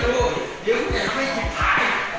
กลับไปกัน